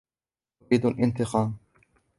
أُريد الإنتقام.